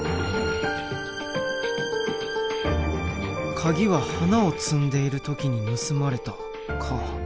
カギは花を摘んでいる時に盗まれたか。